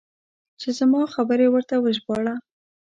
چې زما خبرې ورته وژباړه.